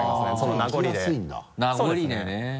名残でね。